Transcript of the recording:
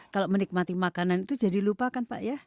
kalau menikmati makanan itu jadi lupa kan pak ya